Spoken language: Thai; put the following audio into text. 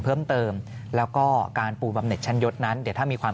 เพิ่มเติมแล้วก็การปูบำเน็ตชั้นยศนั้นเดี๋ยวถ้ามีความ